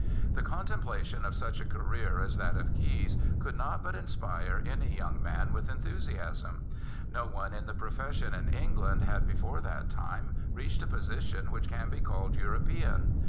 The contemplation of such a career as that of Caius could not but inspire any young man with enthusiasm. No one in the profession in England had before that time reached a position which can be called European.